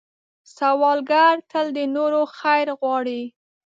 سوالګر تل د نورو خیر غواړي